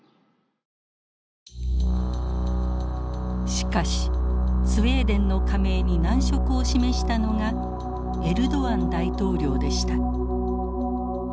しかしスウェーデンの加盟に難色を示したのがエルドアン大統領でした。